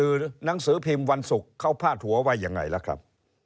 คือหนังสือพิมพ์วันศุกร์เขาพาดหัวว่ายังไงล่ะครับ